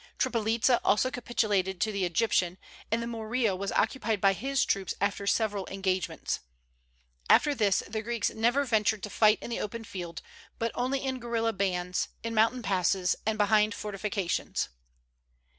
Tripolitza also capitulated to the Egyptian, and the Morea was occupied by his troops after several engagements. After this the Greeks never ventured to fight in the open field, but only in guerilla bands, in mountain passes, and behind fortifications.